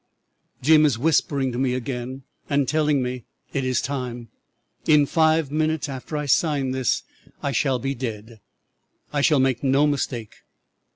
Jim is whispering to me again and telling me it is time. In five minutes after I sign this I shall be dead. I shall make no mistake.